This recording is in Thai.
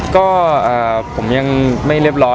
ก็ผมยังไม่เรียบร้อย